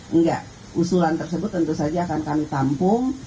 enggak usulan tersebut tentu saja akan kami tampung